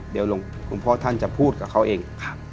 เดี๋ยวหลวงพ่อท่านจะพูดกับเขาเอง